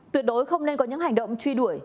tuyệt đối không nên có những hành động truy đuổi